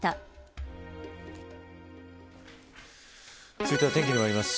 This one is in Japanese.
続いては天気にまいります。